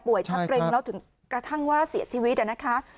ชักเกร็งแล้วถึงกระทั่งว่าเสียชีวิตนะคะ